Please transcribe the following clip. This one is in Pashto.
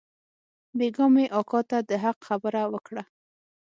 بيگاه مې اکا ته د حق خبره وکړه.